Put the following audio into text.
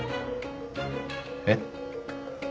えっ？